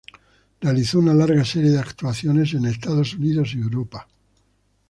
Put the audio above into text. Realizó una larga serie de actuaciones en Estados Unidos y Europa.